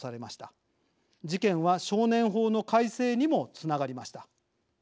事件は少年法の改正にもつながりました。